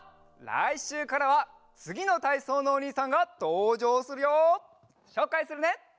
らいしゅうからはつぎのたいそうのおにいさんがとうじょうするよ！しょうかいするね！